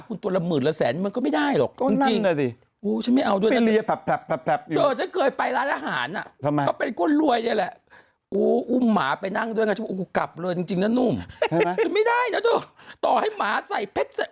คือพนักงาน๗๑๑ต้องไปสอบอยู่ที่